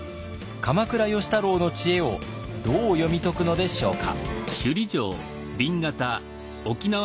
鎌倉芳太郎の知恵をどう読み解くのでしょうか。